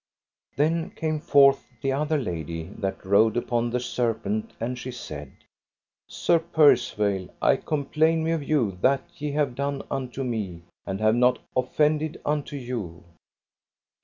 Then came forth the other lady that rode upon the serpent, and she said: Sir Percivale, I complain me of you that ye have done unto me, and have not offended unto you.